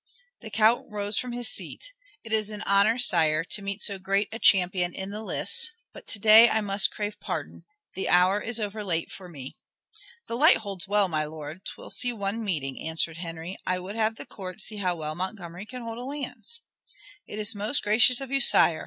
The Count rose from his seat. "It is an honor, sire, to meet so great a champion in the lists, but to day I must crave pardon. The hour is over late for me." "The light holds well, my lord. 'Twill see one meeting," answered Henry. "I would have the court see how well Montgomery can hold a lance." "It is most gracious of you, sire.